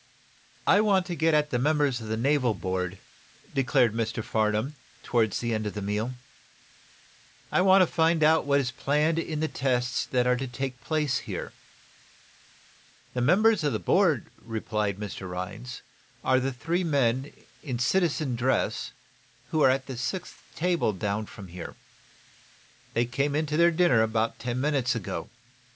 "I want to get at the members of the naval board," declared Mr. Farnum, toward the end of the meal. "I want to find out what is planned in the tests that are to take place here." "The members of the board," replied Mr. Rhinds, "are the three men, in citizen dress, who are at the sixth table down from here. They came into their dinner about ten minutes ago.